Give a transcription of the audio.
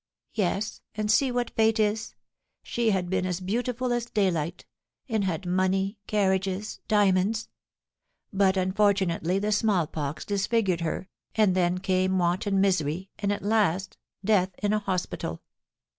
"Yes. And see what fate is! She had been as beautiful as daylight, and had money, carriages, diamonds; but, unfortunately, the smallpox disfigured her, and then came want and misery, and, at last, death in a hospital.